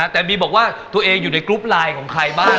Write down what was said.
แต่บีบอกว่าตัวเองอยู่ในกรุ๊ปไลน์ของใครบ้าง